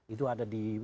itu ada di